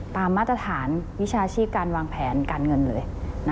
มาตรฐานวิชาชีพการวางแผนการเงินเลย